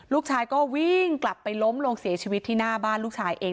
ลูกชายก็วิ่งกลับไปล้มลงเสียชีวิตที่หน้าบ้านลูกชายเอง